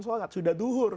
saya sudah melakukan sholat